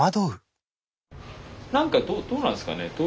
なんかどうなんですかね？